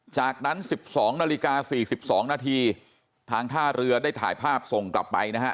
จากนั้น๑๒นาฬิกา๔๒นาทีทางท่าเรือได้ถ่ายภาพส่งกลับไปนะฮะ